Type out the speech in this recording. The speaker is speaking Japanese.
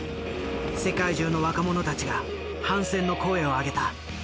世界中の若者たちが反戦の声を上げた。